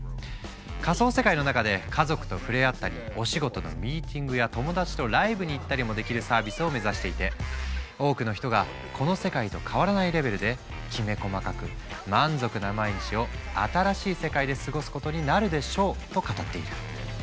仮想世界の中で家族と触れ合ったりお仕事のミーティングや友達とライブに行ったりもできるサービスを目指していて多くの人がこの世界と変わらないレベルできめ細かく満足な毎日を新しい世界で過ごすことになるでしょうと語っている。